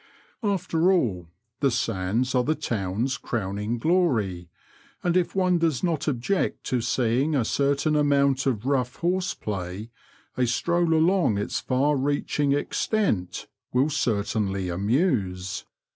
After all, the sands are the town's crowning glory, and if one does not object to seeing a certain amount of rough horseplay, a stroll along its far reaching extent will certainly amuse.